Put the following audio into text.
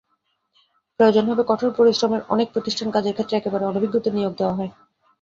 প্রয়োজন হবে কঠোর পরিশ্রমেরঅনেক প্রতিষ্ঠানে কাজের ক্ষেত্রে একেবারে অনভিজ্ঞদের নিয়োগ দেওয়া হয়।